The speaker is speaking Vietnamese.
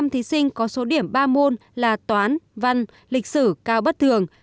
ba mươi năm thí sinh có số điểm ba môn là toán văn lịch sử cao bất thường